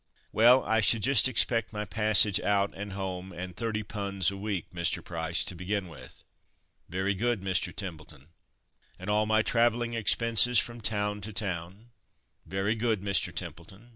"Well, I should just expect my passage out and home, and thirty 'punds' a week, Mr. Price, to begin with." "Very good, Mr. Templeton." "And all my travelling expenses, from toun to toun." "Very good, Mr. Templeton.